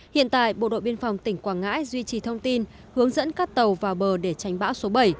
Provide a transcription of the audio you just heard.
hiện tại bộ đội biên phòng tỉnh quảng ngãi duy trì thông tin hướng dẫn các tàu vào bờ để tránh bão số bảy